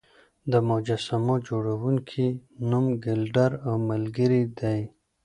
د مجسمو جوړونکي نوم ګیلډر او ملګري دی.